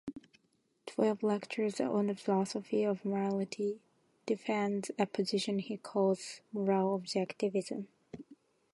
Twelve Lectures on the Philosophy of Morality" defends a position he calls "moral objectivism".